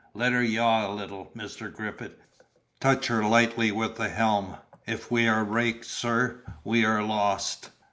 Let her yaw a little, Mr. Griffith; touch her lightly with the helm; if we are raked, sir, we are lost!"